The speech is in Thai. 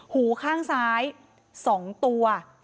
หูข้างซ้าย๒ตัว